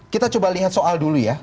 kita coba lihat soal dulu ya